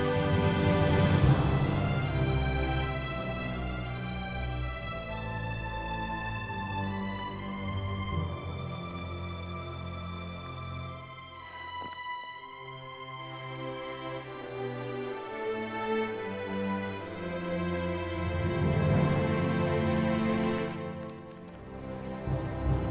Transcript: aku pengen ngusir